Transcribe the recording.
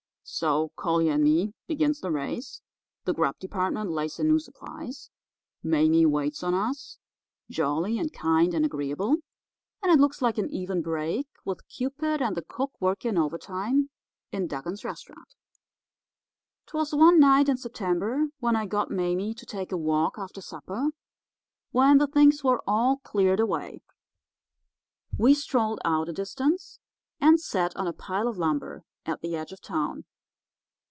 "So Collier and me begins the race; the grub department lays in new supplies; Mame waits on us, jolly and kind and agreeable, and it looks like an even break, with Cupid and the cook working overtime in Dugan's restaurant. "'Twas one night in September when I got Mame to take a walk after supper when the things were all cleared away. We strolled out a distance and sat on a pile of lumber at the edge of town.